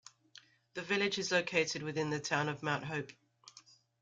The village is located within the Town of Mount Hope.